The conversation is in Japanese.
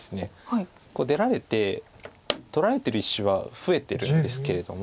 出られて取られてる石は増えてるんですけれども。